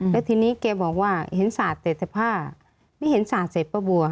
แล้วทีนี้แกบอกว่าเห็นศาสตร์แต่ถ้าไม่เห็นศาสตร์ใส่ป้าบัว